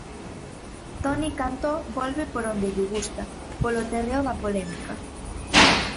Toni Cantó volve por onde lle gusta, polo terreo da polémica.